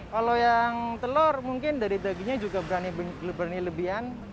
kalau yang telur mungkin dari dagingnya juga berani lebihan